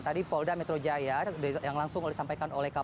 tadi polda metro jaya yang langsung disampaikan oleh kpk